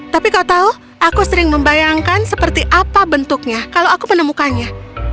tapi kau tahu aku sering membayangkan seperti apa bentuknya kalau aku menemukannya